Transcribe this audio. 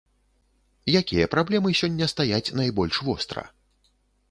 Якія праблемы сёння стаяць найбольш востра?